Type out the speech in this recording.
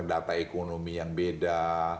data ekonomi yang beda